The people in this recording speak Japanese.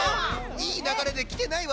⁉いいながれできてないわよモノマネ。